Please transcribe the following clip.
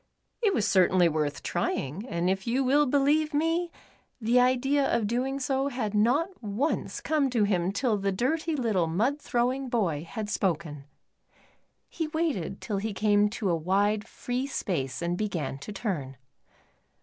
It was certainly worth trviuiJ, and if vou will believe me, the idea of doing so had not once come to him till the dirty little, mud throwing boy had spoken. He waited till he came to a wide, free space and began to turn.